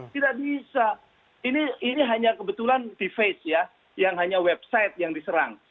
tidak bisa ini hanya kebetulan di face ya yang hanya website yang diserang